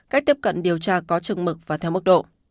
cách tiếp cận điều tra có chừng mực và theo mức độ